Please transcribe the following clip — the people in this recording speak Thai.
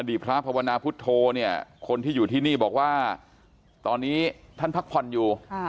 พระภาวนาพุทธโธเนี่ยคนที่อยู่ที่นี่บอกว่าตอนนี้ท่านพักผ่อนอยู่